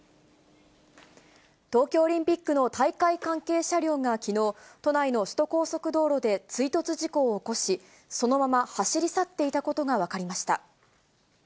東京オリンピックの大会関係車両がきのう、都内の首都高速道路で追突事故を起こし、そのまま走り去っていたことが分かりました。